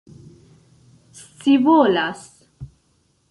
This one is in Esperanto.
scivolas